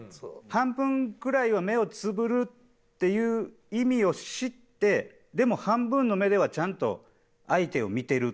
「半分くらいは目をつぶる」っていう意味を知ってでも半分の目ではちゃんと相手を見てるっていう。